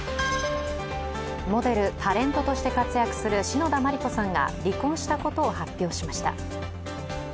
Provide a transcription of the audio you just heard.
モデル、タレントとして活躍する篠田麻里子さんが離婚したことを発表しました。